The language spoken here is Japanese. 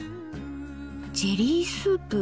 ジェリースープ。